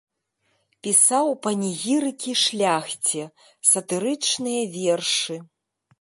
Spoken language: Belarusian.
Пісаў панегірыкі шляхце, сатырычныя вершы.